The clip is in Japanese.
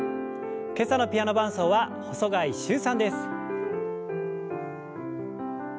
今朝のピアノ伴奏は細貝柊さんです。